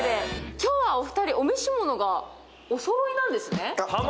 今日はお二人、お召し物がおそろいなんですね。